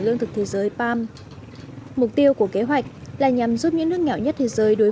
lương thực thế giới parm mục tiêu của kế hoạch là nhằm giúp những nước nghèo nhất thế giới đối